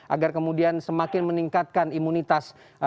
agar kemudian semakin meningkatkan imunitas